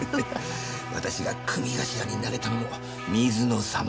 私が組頭になれたのも水野様のおかげ。